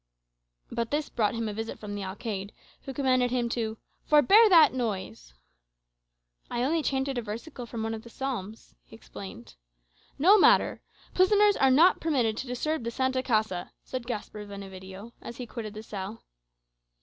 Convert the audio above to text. But this brought him a visit from the alcayde, who commanded him to "forbear that noise." "I only chanted a versicle from one of the Psalms," he explained. "No matter. Prisoners are not permitted to disturb the Santa Casa," said Gasper Benevidio, as he quitted the cell.